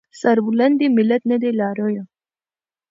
سربلند دې ملت نه دی لارويه